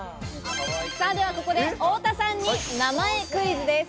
では、ここで太田さんに名前クイズです。